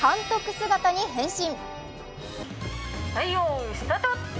姿に変身。